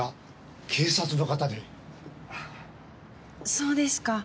そうですか。